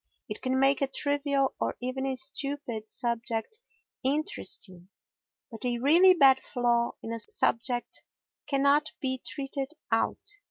It can make a trivial, or even a stupid, subject interesting, but a really bad flaw in a subject cannot be treated out.